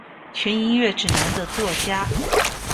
全音乐指南的作家。